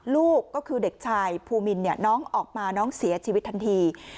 ลูกก็คือเด็กชายภูมินน้องออกมาน้องเสียชีวิตทันที